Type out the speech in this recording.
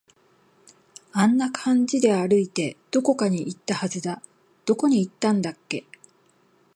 あんな感じで歩いて、どこかに行ったはずだ。どこに行ったんだっけ